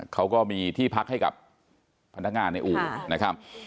เขาก็มีที่พักให้กับพนักงานในอู่นะครับ